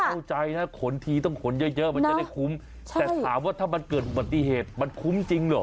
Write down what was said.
เข้าใจนะขนทีต้องขนเยอะมันจะได้คุ้มแต่ถามว่าถ้ามันเกิดอุบัติเหตุมันคุ้มจริงเหรอ